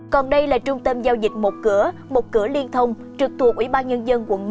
còn đây là trung tâm giao dịch một cửa một cửa liên thông trực thuộc ủy ban nhân dân quận một